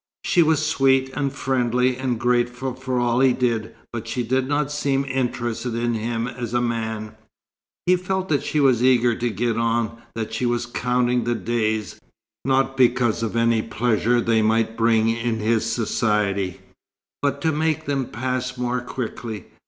She was sweet and friendly, and grateful for all he did, but she did not seem interested in him as a man. He felt that she was eager to get on, that she was counting the days, not because of any pleasure they might bring in his society, but to make them pass more quickly.